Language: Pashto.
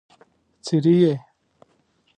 څري يې؟